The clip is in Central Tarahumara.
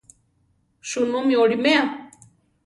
¿Sunú mi oliméa?